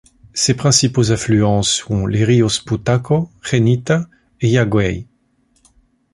Ses principaux affluents sont les ríos Putaco, Jenita et Iyagüey.